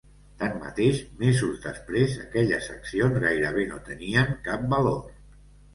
Tanmateix, mesos després, aquelles accions gairebé no tenien cap valor.